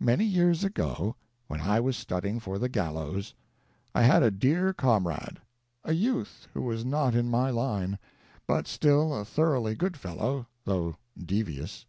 Many years ago, when I was studying for the gallows, I had a dear comrade, a youth who was not in my line, but still a thoroughly good fellow, though devious.